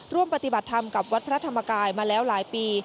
ร่วมปฏิบัติธรรมกับวัดพระธรรมกายมาแล้วหลายปี